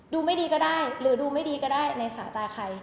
ดูไม่ดีก็ได้หรือดูไม่ดีก็ได้ในสายตาใคร